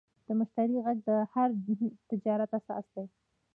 د مشتری غږ د هر تجارت اساس دی.